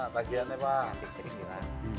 untuk bulan ya pak ya